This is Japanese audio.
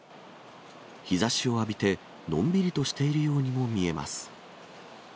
日ざしを浴びて、のんびりとしているようにも見えます。